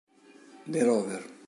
The Rover